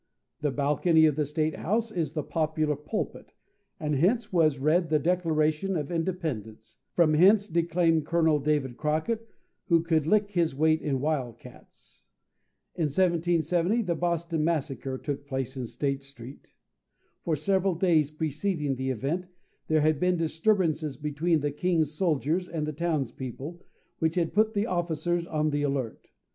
The balcony of the State House is the popular pulpit, and hence was read the Declaration of Independence, and from hence declaimed Colonel David Crockett, who "could lick his weight in wild cats." In 1770 the "Boston massacre" took place in State Street. For several days preceding the event, there had been disturbances between the king's soldiers and the townspeople, which had put the officers on the alert.